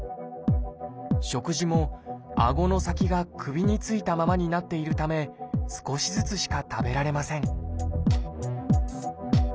食事もあごの先が首についたままになっているため少しずつしか食べられません